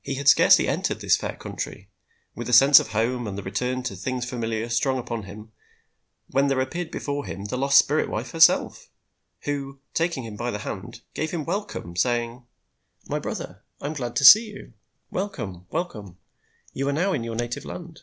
He had scarcely entered this fair country, with a sense of home and the return to things familiar strong upon him, when there appeared before him the lost spirit wife herself, who, taking him by the hand, gave him welcome, saying: "My brother, I am glad to see you. Welcome! welcome! You are now in your native land!